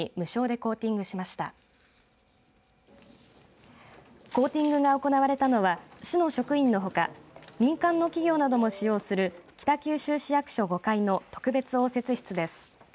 コーティングが行われたのは市の職員のほか民間の企業なども使用する北九州市役所５階の特別応接室です。